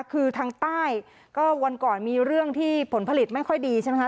คือทางใต้ก็วันก่อนมีเรื่องที่ผลผลิตไม่ค่อยดีใช่ไหมคะ